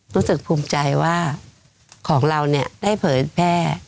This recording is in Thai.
รู้สึกภูมิใจว่าของเราเนี่ยได้เผยแพร่